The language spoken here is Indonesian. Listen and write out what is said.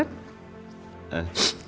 itu neneknya shiva